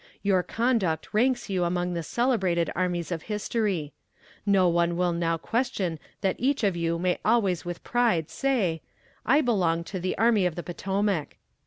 Your conduct ranks you among the celebrated armies of history. No one will now question that each of you may always with pride say: 'I belong to the Army of the Potomac.'